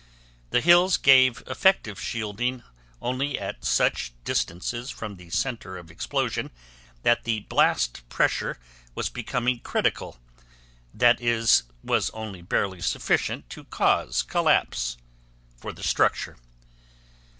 The hills gave effective shielding only at such distances from the center of explosion that the blast pressure was becoming critical that is, was only barely sufficient to cause collapse for the structure.